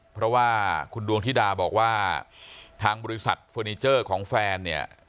เพราะว่าคุณดวงธิดาบอกว่าทางบริษัทเฟอร์นิเจอร์ของแฟนเนี่ย